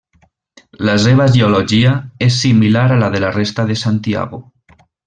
La seva geologia és similar a la de la resta de Santiago.